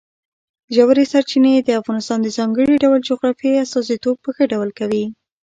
ژورې سرچینې د افغانستان د ځانګړي ډول جغرافیې استازیتوب په ښه ډول کوي.